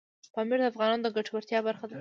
پامیر د افغانانو د ګټورتیا برخه ده.